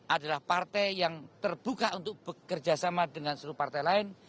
adalah partai yang terbuka untuk bekerjasama dengan seluruh partai lain